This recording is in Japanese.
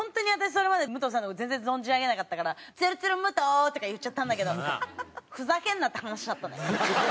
それまで武藤さんの事全然存じ上げなかったから「ツルツル武藤！」とか言っちゃったんだけどふざけんなって話だったね。